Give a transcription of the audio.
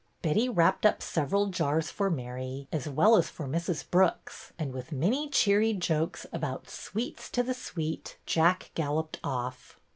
Betty wrapped up several jars for Mary as well as for Mrs. Brooks, and, with many cheery jokes about '' sweets to the sweet," Jack galloped off.